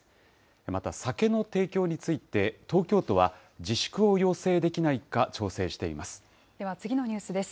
また酒の提供について、東京都は、自粛を要請できないか調整しています。